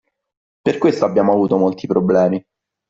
Per questo abbiamo avuto molti problemi.